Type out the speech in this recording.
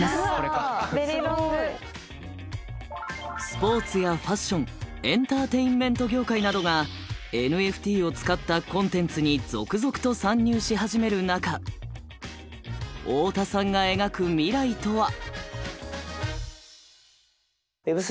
スポーツやファッションエンターテインメント業界などがＮＦＴを使ったコンテンツに続々と参入し始める中太田さんが描く未来とは？